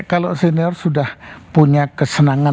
kalau senior sudah punya kesenangan